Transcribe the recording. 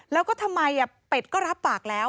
แล้วก็ทำไมเป็ดก็รับปากแล้ว